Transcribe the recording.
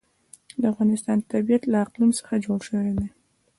د افغانستان طبیعت له اقلیم څخه جوړ شوی دی.